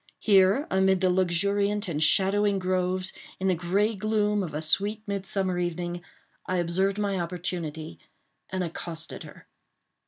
Here, amid the luxuriant and shadowing groves, in the gray gloom of a sweet midsummer evening, I observed my opportunity and accosted her.